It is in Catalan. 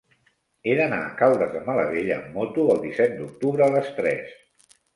He d'anar a Caldes de Malavella amb moto el disset d'octubre a les tres.